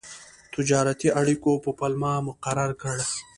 تجارتي اړیکو په پلمه مقرر کړ.